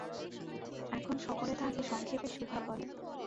এখন সকলে তাহাকে সংক্ষেপে সুভা বলে।